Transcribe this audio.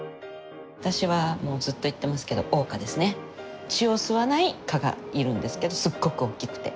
私はもうずっと言ってますけど血を吸わない蚊がいるんですけどすっごく大きくて。